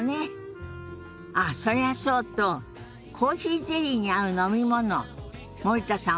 あっそれはそうとコーヒーゼリーに合う飲み物森田さん